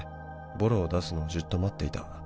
「ボロを出すのをじっと待っていた」